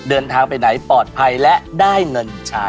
เดินทางไปไหนปลอดภัยและได้เงินใช้